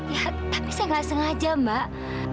ya tapi saya nggak sengaja mbak